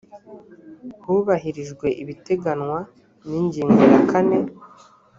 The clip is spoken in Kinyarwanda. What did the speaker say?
hubahirijwe ibiteganywa n ingingo yakane